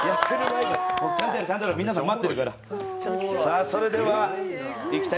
ちゃんとやろう、皆さん、待ってるから。